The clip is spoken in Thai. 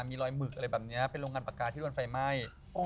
มีรอยหมึกอะไรแบบนี้เป็นโรงงานปากกาที่โดนไฟไหม้